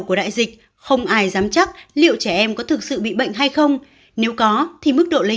của đại dịch không ai dám chắc liệu trẻ em có thực sự bị bệnh hay không nếu có thì mức độ lây